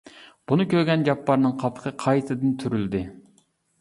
بۇنى كۆرگەن جاپپارنىڭ قاپىقى قايتىدىن تۈرۈلدى.